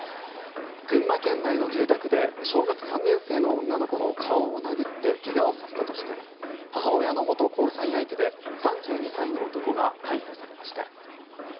群馬県内の住宅で小学３年生の女の子の顔を殴って怪我をさせたとして母親の元交際相手で３２歳の男が逮捕されました。